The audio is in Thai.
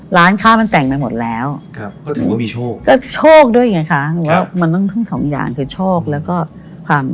ร้านคาร์ดาเช็ดมันแต่งไปหมดแล้ว